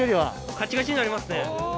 カチカチになりますね。